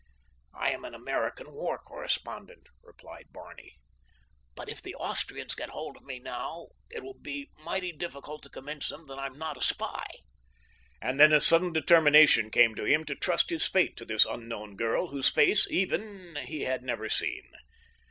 "I am an American war correspondent," replied Barney, "but if the Austrians get hold of me now it will be mighty difficult to convince them that I am not a spy." And then a sudden determination came to him to trust his fate to this unknown girl, whose face, even, he had never seen.